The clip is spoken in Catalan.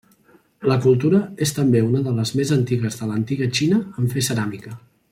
La cultura és també una de les més antigues de l'antiga Xina en fer ceràmica.